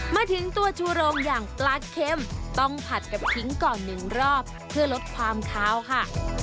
มาถึงตัวชูโรงอย่างปลาเค็มต้องผัดกับขิงก่อนหนึ่งรอบเพื่อลดความคาวค่ะ